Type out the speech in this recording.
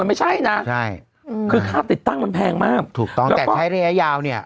ไม่ใช่นะใช่อืมคือค่าติดตั้งมันแพงมากถูกต้องแต่ใช้ระยะยาวเนี่ย